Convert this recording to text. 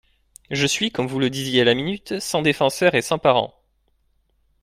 Je suis, comme vous le disiez à la minute, sans défenseur et sans parents.